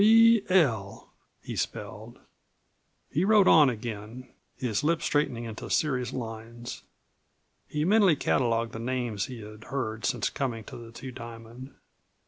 "D. L," he spelled. He rode on again, his lips straightening into serious lines. He mentally catalogued the names he had heard since coming to the Two Diamond.